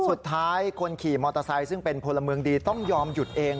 สุดท้ายคนขี่มอเตอร์ไซค์ซึ่งเป็นพลเมืองดีต้องยอมหยุดเอง